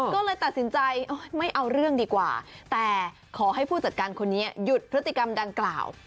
ก็เลยตัดสินใจไม่เอาเรื่องดีกว่าแต่ขอให้ผู้จัดการคนนี้หยุดพฤติกรรมดังกล่าว